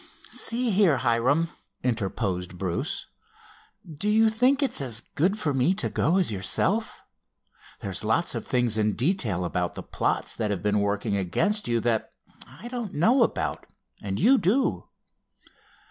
"See here, Hiram," interposed Bruce, "do you think it's as good for me to go as yourself? There's lots of things in detail about the plots that have been working against you that I don't know about and you do."